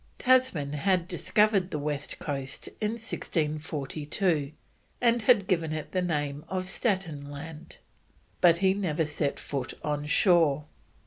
Tasman had discovered the west coast in 1642, and had given it the name of Staten Land, but he never set foot on shore.